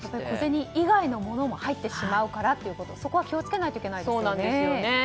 小銭以外のものも入ってしまうからということで気を付けないといけないですね。